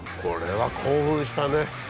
これは興奮したね。